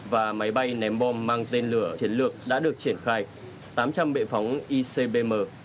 và máy bay ném bom mang tên lửa chiến lược đã được triển khai tám trăm linh bệ phóng icbm